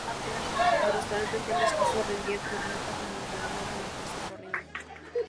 Las restantes Grandes Casas rendían tributo, como Emperador, a la Casa Corrino.